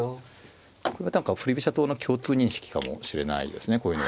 これは振り飛車党の共通認識かもしれないですねこういうのは。